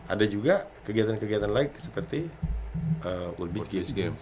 ada juga kegiatan kegiatan lain seperti full beach games